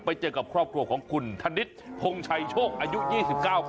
ไปเจอกับครอบครัวของคุณธนิษฐ์พงชัยโชคอายุ๒๙ปี